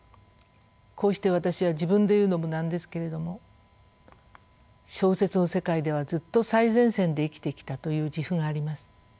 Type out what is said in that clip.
こうして私は自分で言うのもなんですけれども小説の世界ではずっと最前線で生きてきたという自負があります。